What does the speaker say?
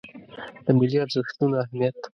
د ملي ارزښتونو اهمیت